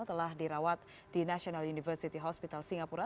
telah dirawat di national university hospital singapura